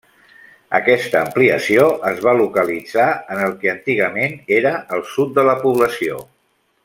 Aquesta ampliació es va localitzar en el que antigament era el sud de la població.